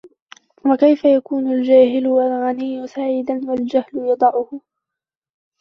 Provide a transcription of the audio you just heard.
وَكَيْفَ يَكُونُ الْجَاهِلُ الْغَنِيُّ سَعِيدًا وَالْجَهْلُ يَضَعُهُ